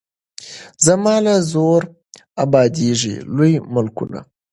زما له زوره ابادیږي لوی ملکونه